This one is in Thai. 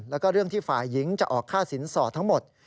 แล้วก็เรื่องที่ฝ่ายหญิงจะออกค่าสินสอดทั้งหมด